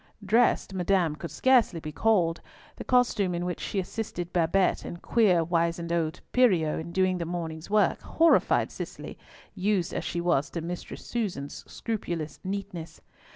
Dressed Madame could scarcely be called—the costume in which she assisted Babette and queer wizened old Pierrot in doing the morning's work, horrified Cicely, used as she was to Mistress Susan's scrupulous neatness.